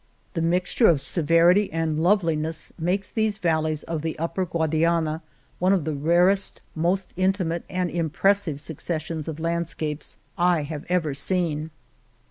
The mixture of severity and loveliness makes of these valleys of the Upper Guadi ana one of the rarest, most intimate, and impressive successions of landscapes I have ever seen.